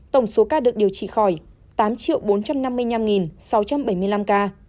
tổng số ca được điều trị khỏi tám bốn trăm năm mươi năm sáu trăm bảy mươi năm ca